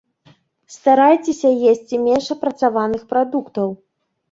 Старайцеся есці менш апрацаваных прадуктаў.